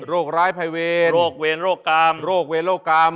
โรคเวรโรคกรรม